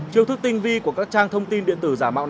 triều thức tinh vi của các trang thông tin điện tử giả mạo này